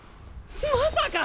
まさか！